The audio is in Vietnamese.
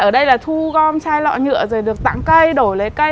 ở đây là thu gom chai lọ nhựa rồi được tặng cây đổ lấy cây